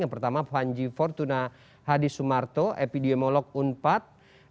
yang pertama panji fortuna hadi sumarto epidemiolog unpad